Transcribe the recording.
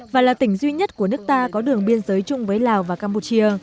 và là tỉnh duy nhất của nước ta có đường biên giới chung với lào và campuchia